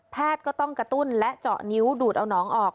ก็ต้องกระตุ้นและเจาะนิ้วดูดเอาน้องออก